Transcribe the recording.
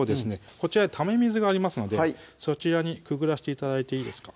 こちらにため水がありますのでそちらにくぐらして頂いていいですか？